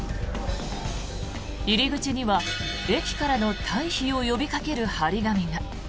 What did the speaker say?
入り口には駅からの退避を呼びかける貼り紙が。